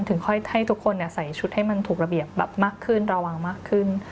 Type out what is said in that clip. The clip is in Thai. ค่อยให้ทุกคนใส่ชุดให้มันถูกระเบียบแบบมากขึ้นระวังมากขึ้น